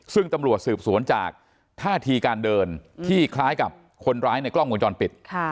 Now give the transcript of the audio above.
ซึ่งตำรวจสืบสวนจากท่าทีการเดินที่คล้ายกับคนร้ายในกล้องวงจรปิด